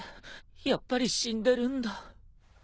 やっぱり死んでるんだ。